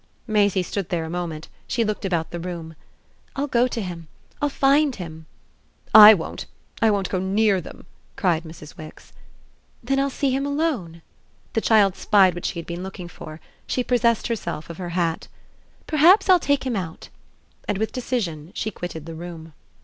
Maisie stood there a moment she looked about the room. "I'll go to him I'll find him." "I won't! I won't go NEAR them!" cried Mrs. Wix. "Then I'll see him alone." The child spied what she had been looking for she possessed herself of her hat. "Perhaps I'll take him out!" And with decision she quitted the room.